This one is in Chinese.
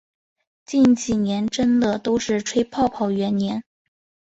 近几年真的都是吹泡泡元年